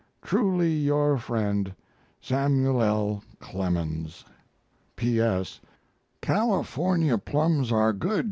Truly your friend, SAML. L. CLEMENS. P.S. California plums are good.